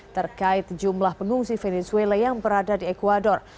terkait jumlah pengungsi venezuela yang berada di ecuador